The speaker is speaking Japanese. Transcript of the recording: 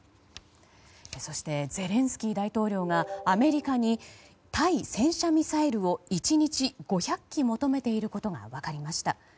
そして、ゼレンスキー大統領がアメリカに対戦車ミサイルを１日５００基求めていることが分かりました。